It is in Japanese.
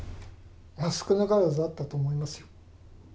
少なからずあったと思いますよ。